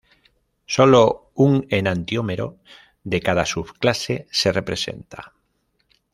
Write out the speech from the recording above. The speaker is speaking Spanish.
Sólo un enantiómero de cada subclase se representa.